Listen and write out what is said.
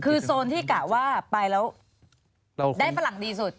คือโซนที่กะว่าไปแล้วได้ฝรั่งดีสุด